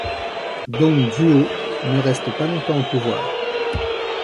Dong Zhuo ne reste pas longtemps au pouvoir.